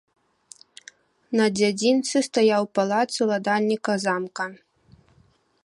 На дзядзінцы стаяў палац уладальніка замка.